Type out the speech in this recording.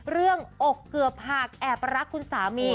อกเกือบหากแอบรักคุณสามี